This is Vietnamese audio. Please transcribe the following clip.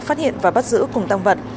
phát hiện và bắt giữ cùng tăng vật